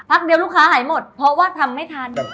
เดียวลูกค้าหายหมดเพราะว่าทำไม่ทัน